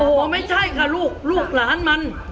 โอ้โหไม่ใช่ค่ะลูกลูกหลานมัน